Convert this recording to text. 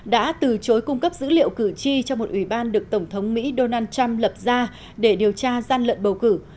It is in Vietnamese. đã từ chối cung cấp dữ liệu cử tri cho một ủy ban được tổng thống mỹ donald trump lập ra để điều tra gian lận bầu cử